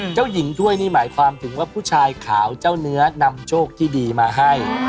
เจ้าหญิงถ้วยนี่หมายความถึงว่าผู้ชายขาวเจ้าเนื้อนำโชคที่ดีมาให้